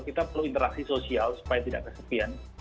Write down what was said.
kita perlu interaksi sosial supaya tidak kesepian